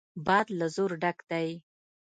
باد له زور ډک دی.